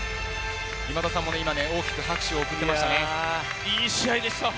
今田さんも大きく拍手を送りましたね。